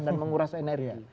dan menguras energi